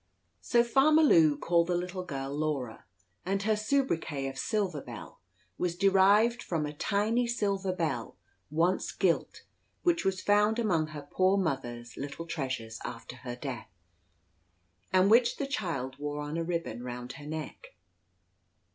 So Farmer Lew called the little girl Laura; and her sobriquet of "Silver Bell" was derived from a tiny silver bell, once gilt, which was found among her poor mother's little treasures after her death, and which the child wore on a ribbon round her neck.